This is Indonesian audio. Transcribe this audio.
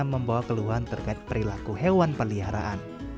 membawa keluhan terkait perilaku hewan peliharaan